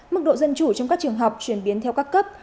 mức độ dân chủ trong các trường học chuyển biến theo các cấp